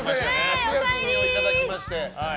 夏休みをいただきまして。